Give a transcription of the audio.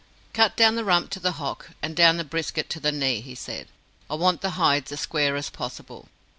"Cut down the rump to the hock, and down the brisket to the knee," he said. "I want the hides as square as possible."